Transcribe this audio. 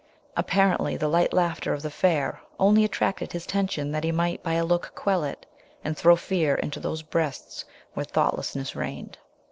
Apparently, the light laughter of the fair only attracted his attention, that he might by a look quell it, and throw fear into those breasts where thoughtlessness reigned.